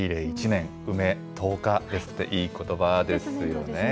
１年、梅１０日ですって、いいことばですよね。